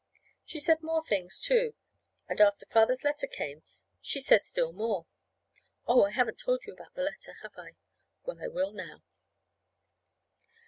She said more things, too; and after Father's letter came she said still more. Oh, and I haven't told yet about the letter, have I? Well, I will now.